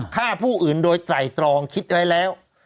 ฆ่าผู้อื่นโดยไตรตรองคิดไว้แล้ว